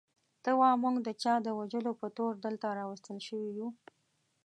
ته وا موږ د چا د وژلو په تور دلته راوستل شوي یو.